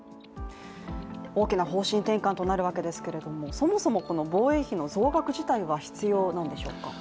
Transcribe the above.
大きな方針転換となるわけですがそもそも、この防衛費の増額自体は必要なんでしょうか？